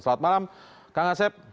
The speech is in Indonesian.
selamat malam kang asep